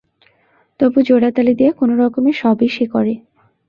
তবু জোড়াতালি দিয়া কোনোরকমে সবই সে করে।